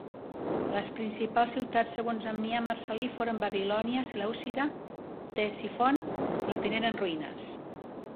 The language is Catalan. Les principals ciutats segons Ammià Marcel·lí foren Babilònia, Selèucida i Ctesifont, la primera en ruïnes.